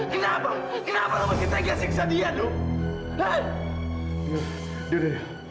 kenapa kenapa lo begitu siksa dia dok